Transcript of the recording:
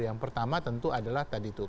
yang pertama tentu adalah tadi tuh